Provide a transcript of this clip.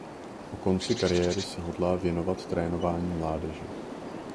Po konci kariéry se hodlá věnovat trénování mládeže.